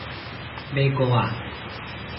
咩歌啊？